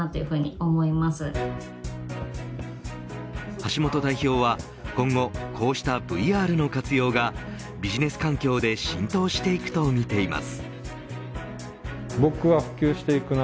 橋本代表は今後こうしたＶＲの活用がビジネス環境で浸透していくとみています。